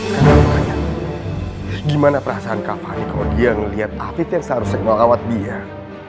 karena aku tanya gimana perasaan kak fani kalo dia ngeliat afif yang seharusnya ngelawat biar